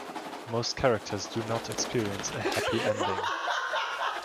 Most characters do not experience a 'happy ending'.